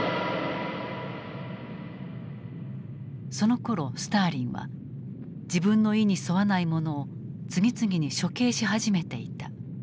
そのころスターリンは自分の意に沿わない者を次々に処刑し始めていた。